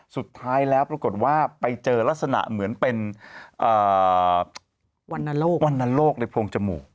สุดท้ายแล้วปรากฏว่าไปเจอลักษณะเหมือนเป็นวรรณโรคในโพรงจมูก